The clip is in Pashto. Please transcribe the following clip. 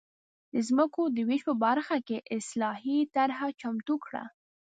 د ځمکو د وېش په برخه کې اصلاحي طرحه چمتو کړه.